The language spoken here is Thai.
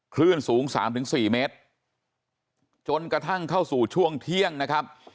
คลื่นสูง๓๔เมตรจนกระทั่งเข้าสู่ช่วงเที่ยงนะครับ